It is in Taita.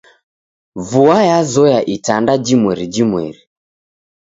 Vua yazoya itanda jimweri jimweri.